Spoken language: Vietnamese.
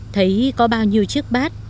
thấy có bao nhiêu chiếc bát